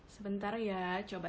sebentar ya coba